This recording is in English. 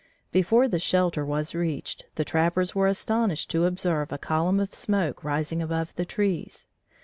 Before the shelter was reached, the trappers were astonished to observe a column of smoke rising above the trees.